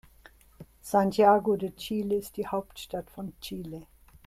Santiago de Chile ist die Hauptstadt von Chile.